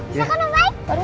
bisa kan om baik